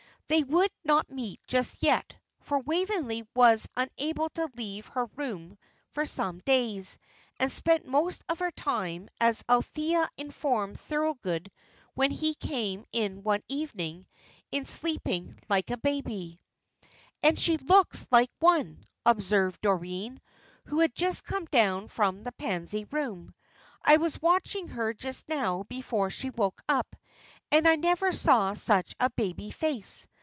They would not meet just yet, for Waveney was unable to leave her room for some days, and spent most of her time, as Althea informed Thorold when he came in one evening, in sleeping like a baby. "And she looks like one," observed Doreen, who had just come down from the Pansy Room. "I was watching her just now before she woke up, and I never saw such a baby face.